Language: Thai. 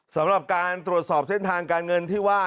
สำหรับการตรวจสอบเส้นทางการเงินที่ว่า